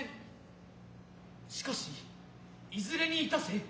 しかしいづれにいたせ